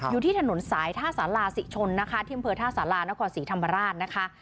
อยู่ที่ถนนสายท่าสาราศิชนนะคะที่อำเภอท่าสารานครศรีธรรมราชนะคะ